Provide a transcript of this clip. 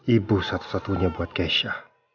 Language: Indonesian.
ibu satu satunya buat keisha